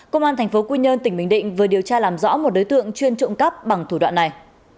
công an tp quy nhơn tỉnh bình định vừa điều tra làm rõ một đối tượng chuyên trộm cắp bằng thủ đoạn này